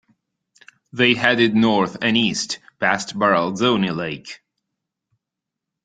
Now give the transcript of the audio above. They headed north and east past Baralzone Lake.